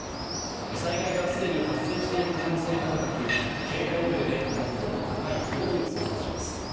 災害がすでに発生している可能性が高く警戒レベルで最も高い５に相当します。